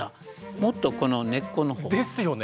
もっとこの根っこの方。ですよね。